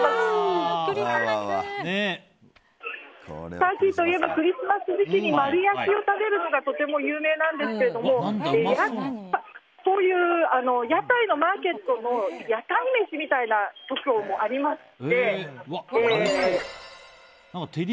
ターキーといえばクリスマス時期に丸焼きを食べるのがとても有名なんですけれどもこういう屋台のマーケットの屋台メシみたいなものもありまして。